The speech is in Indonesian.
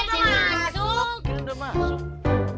saya udah masuk